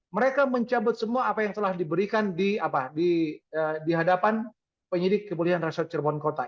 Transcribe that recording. mereka mencabut semua apa yang telah diberikan di hadapan penyidik kemudian resort cirebon kota